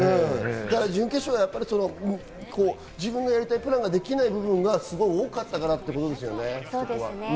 準決勝は自分のやりたいプランができないことが多かったからっていうことですよね。